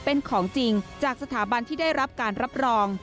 เป็นของจริงจากสถาบันที่ได้รับการรับรอง